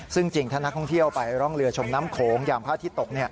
ซึ่งจริงถ้านักท่องเที่ยวไปร่องเรือชมน้ำโขงอย่างพระอาทิตย์ตก